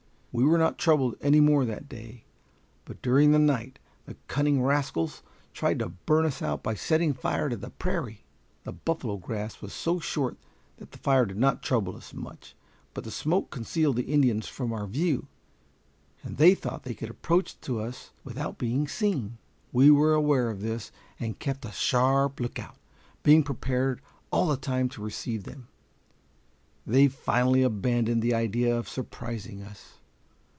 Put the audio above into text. We were not troubled any more that day, but during the night the cunning rascals tried to burn us out by setting fire to the prairie. The buffalo grass was so short that the fire did not trouble us much, but the smoke concealed the Indians from our view, and they thought they could approach to us without being seen. We were aware of this, and kept a sharp lookout, being prepared all the time to receive them. They finally abandoned the idea of surprising us.